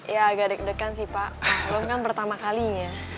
ya agak deg degan sih pak belum kan pertama kalinya